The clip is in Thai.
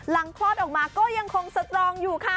คลอดออกมาก็ยังคงสตรองอยู่ค่ะ